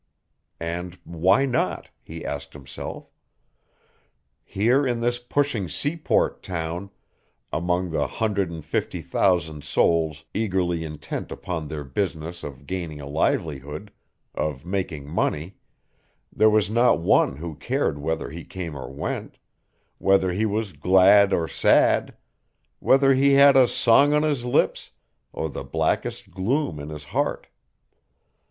And why not, he asked himself? Here in this pushing seaport town, among the hundred and fifty thousand souls eagerly intent upon their business of gaining a livelihood, of making money, there was not one who cared whether he came or went, whether he was glad or sad, whether he had a song on his lips or the blackest gloom in his heart.